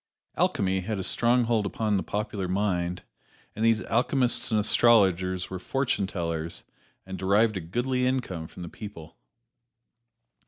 Alchemy had a strong hold upon the popular mind, and these alchemists and astrologers were fortune tellers and derived a goodly income from the people.